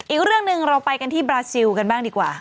อีกเรื่องหนึ่งเราไปกันที่บราซิลกันบ้างดีกว่า